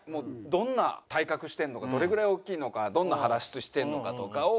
どんな体格してるのかどれぐらい大きいのかどんな肌質してるのかとかを。